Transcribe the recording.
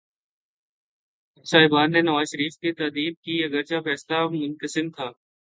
پانچوں جج صاحبان نے نواز شریف کی تادیب کی، اگرچہ فیصلہ منقسم تھا۔